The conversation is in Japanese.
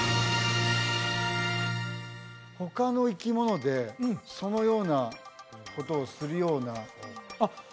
他の生き物でそのようなことをするようなあっ